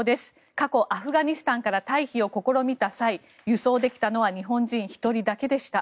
過去アフガニスタンから退避を試みた際輸送できたのは日本人１人だけでした。